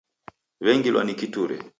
W'engilwa ni kiture.